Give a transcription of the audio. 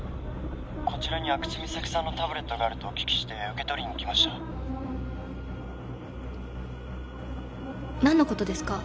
こちらに阿久津実咲さんのタブレットがあるとお聞きして受け取りに来ました何のことですか？